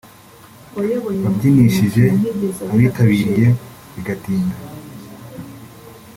wabyinishije abitabiriye bigatinda